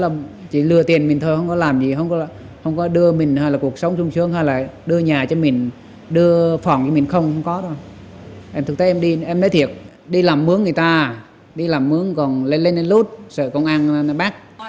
phòng mình không có đâu em thực tế em đi em nói thiệt đi làm mướn người ta đi làm mướn còn lên lên lút sợ công an bác